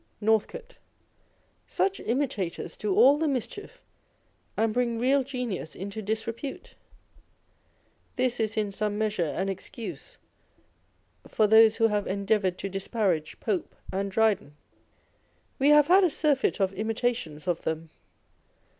Northcote. Such imitators do all the mischief, and bring real genius into disrepute. This is in some measure an excuse for those who have endeavonred to disparage Pope and Dryden. We have had a surfeit of imitations of them.